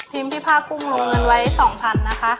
ทีมผีภาครุงโรงเงินวัน๒๐๐๐บาทนะคะ